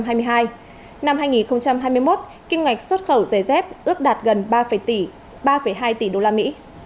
năm hai nghìn hai mươi một kinh ngạch xuất khẩu giải dép ước đạt gần ba hai tỷ usd